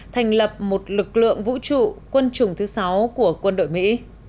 thành lập một lực lượng vũ trụ quân chủng thứ sáu của quân đội mỹ